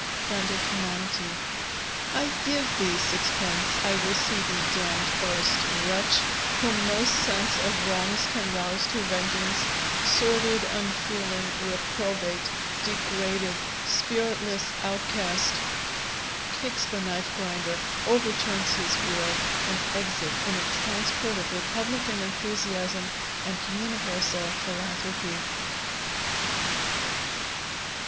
FRIEND OF HUMANITY I give thee sixpence! I will see thee damned first Wretch! whom no sense of wrongs can rouse to vengeance! Sordid, unfeeling, reprobate, degraded, Spiritless outcast! [_Kicks the Knife grinder, overturns his wheel, and exit in a transport of republican enthusiasm and universal philanthropy.